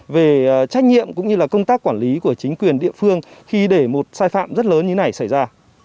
về trách nhiệm cũng như là công tác quản lý của chính quyền địa phương khi để một sai phạm rất lớn như này xảy ra